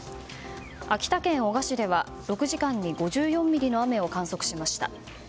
秋田県男鹿市では６時間に５４ミリの雨を観測しました。